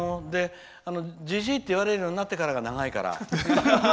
じじいって言われるようになってからのが長いから。